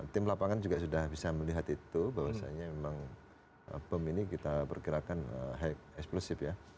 tim lapangan juga sudah bisa melihat itu bahwasannya memang bom ini kita perkirakan high explosive ya